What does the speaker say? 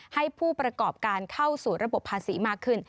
ให้ผู้ประกอบการเข้าสู่ระบบภาษีมากขึ้น